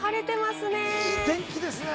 いいお天気ですね！